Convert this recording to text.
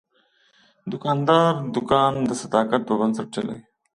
دوکاندار دوکان د صداقت په بنسټ چلوي.